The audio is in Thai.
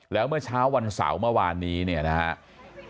แล้วเมื่อเช้าวันเสาร์เมื่อวานนี้เนี่ยนะครับ